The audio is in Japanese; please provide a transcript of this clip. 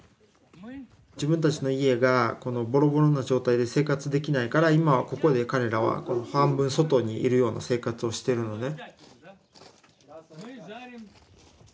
自分たちの家がこのぼろぼろの状態で生活できないから今はここで彼らは半分外にいるような生活をしてるのね。